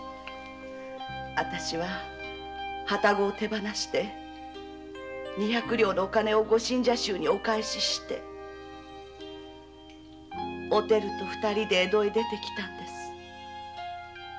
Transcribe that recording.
私は旅籠を手放し二百両のお金をご信者衆にお返ししておてると二人で江戸に出てきたんです。